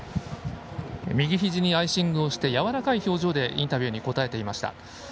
右ひじにアイシングをしてやわらかい表情でインタビューに答えていました。